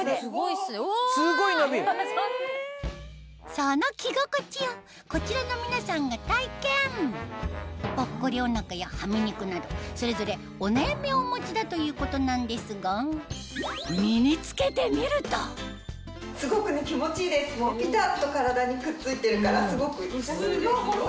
その着心地をこちらの皆さんが体験ぽっこりお腹やハミ肉などそれぞれお悩みをお持ちだということなんですが身に着けてみるとピタっと体にくっついてるから。